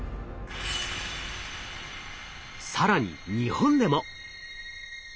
更に日本でも。